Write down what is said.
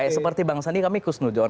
seperti bang sandi kami khusnujon